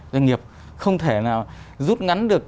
doanh nghiệp không thể nào rút ngắn được